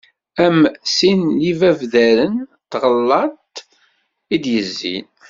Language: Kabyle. Am: sin n yibabdaren, d tɣalaṭ i d-yezzin.